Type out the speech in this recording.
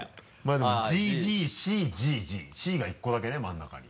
でも「ＧＧＣＧＧ」「Ｃ」が１個だけね真ん中に。